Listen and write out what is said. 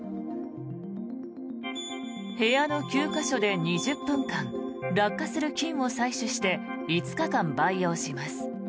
部屋の９か所で２０分間落下する菌を採取して５日間培養します。